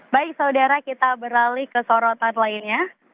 baik saudara kita beralih ke sorotan lainnya